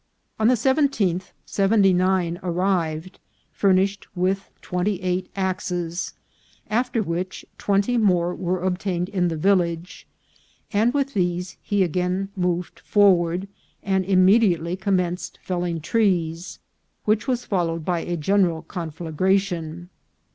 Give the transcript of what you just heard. On the 17th seventy nine arrived, furnished with twenty eight axes, after which twenty more were obtained in the vil lage ; and with these he again moved forward, and im mediately commenced felling trees, which was followed by a general conflagration.